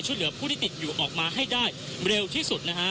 ช่วยเหลือผู้ที่ติดอยู่ออกมาให้ได้เร็วที่สุดนะฮะ